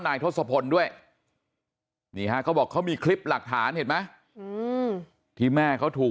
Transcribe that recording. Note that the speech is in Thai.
ทศพลด้วยนี่ฮะเขาบอกเขามีคลิปหลักฐานเห็นไหมที่แม่เขาถูก